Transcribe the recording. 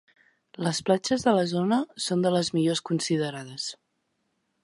Les platges de la zona són de les millors considerades.